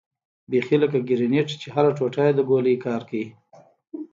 بيخي لکه ګرنېټ چې هره ټوټه يې د ګولۍ کار کوي.